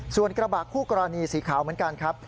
ส่วนกระบะคู่กรณีสีขาวเหมือนกันครับ